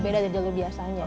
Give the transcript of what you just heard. beda dari jalur biasanya